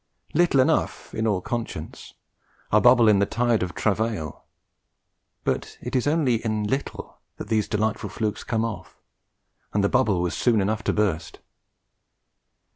Little enough, in all conscience; a bubble in the tide of travail; but it is only in little that these delightful flukes come off, and the bubble was soon enough to burst.